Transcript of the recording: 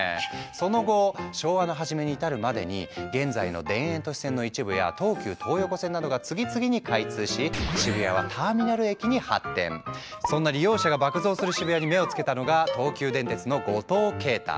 その後昭和の初めに至るまでに現在の田園都市線の一部や東急東横線などが次々に開通しそんな利用者数が爆増する渋谷に目をつけたのが東急電鉄の五島慶太。